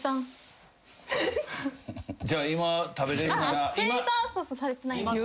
じゃあ今食べれるなら。